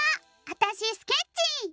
あたしスケッチー！